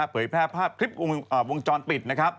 เปิดภาพภาพวงจรปิด